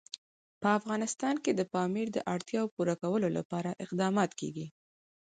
په افغانستان کې د پامیر د اړتیاوو پوره کولو لپاره اقدامات کېږي.